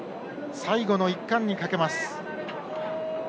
最後の一冠にかけます。